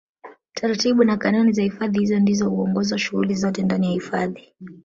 Taratibu na kanuni za hifadhi ndizo huongoza shughuli zote ndani ya hifadhi